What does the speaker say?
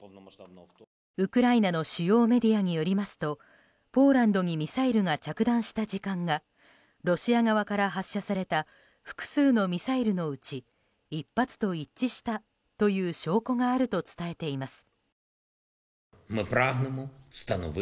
ウクライナの主要メディアによりますとポーランドにミサイルが着弾した時間がロシア側から発射された複数のミサイルのうち１発と一致したという証拠があると伝えています。